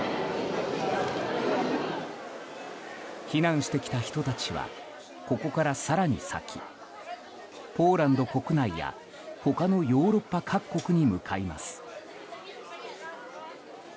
避難してきた人たちはここから更に先ポーランド国内や他のヨーロッパ各国に向かいます。